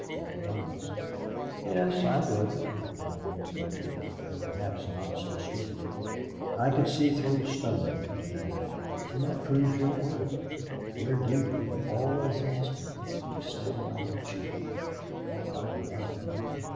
Now, be honest." "Yes, I would," replied Neale, frankly. "Though perhaps not so swiftly. I could see through stone today." "And that proves your worth. Your duty it always has been to stand by your chief. Oh, I love him!...